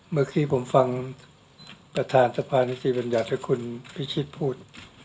เมื่อกี้ผมฟังประธานสภานิติบัญญัติให้คุณพิชิตพูด